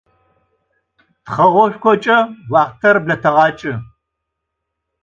Тхъэгъошхок1э уахътэр блэтэгъэк1ы